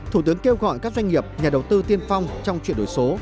thủ tướng kêu gọi các doanh nghiệp nhà đầu tư tiên phong trong chuyển đổi số